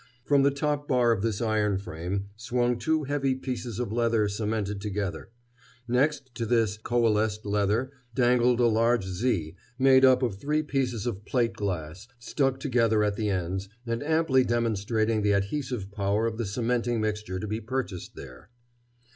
From the top bar of this iron frame swung two heavy pieces of leather cemented together. Next to this coalesced leather dangled a large Z made up of three pieces of plate glass stuck together at the ends, and amply demonstrating the adhesive power of the cementing mixture to be purchased there.